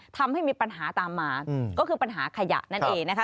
ทำให้มีปัญหาตามมาก็คือปัญหาขยะนั่นเองนะคะ